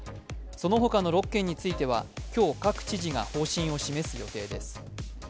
その他の６県については今日、各知事が方針を示す予定です。